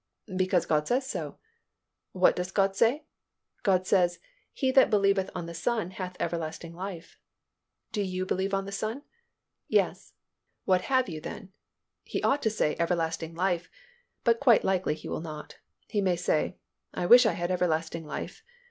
"Because God says so." "What does God say?" "God says, 'He that believeth on the Son hath everlasting life.' " "Do you believe on the Son?" "Yes." "What have you then?" He ought to say, "Everlasting life," but quite likely he will not. He may say, "I wish I had everlasting life."